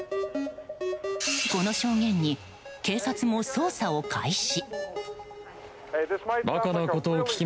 この証言に警察も捜査を開始。